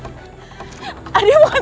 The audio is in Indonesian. adi bukan tipe pesulap